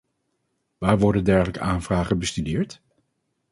Waar worden dergelijke aanvragen bestudeerd?